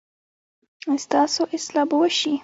ایا ستاسو اصلاح به وشي؟